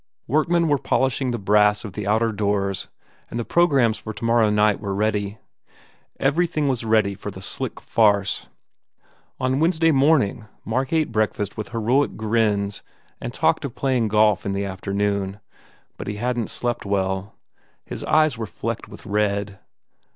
Workmen were polish ing the brass of the outer doors and the programs for tomorrow night were ready. Everything was ready for the sick farce. On Wednesday morning Mark ate breakfast with heroic grins and talked of playing golf in the afternoon. But he hadn t slept well. His eyes were flecked with red.